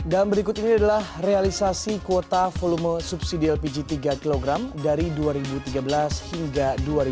dan berikut ini adalah realisasi kuota volume subsidi lpg tiga kg dari dua ribu tiga belas hingga dua ribu delapan belas